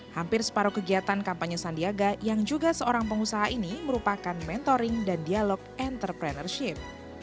hampir separuh kegiatan kampanye sandiaga yang juga seorang pengusaha ini merupakan mentoring dan dialog entrepreneurship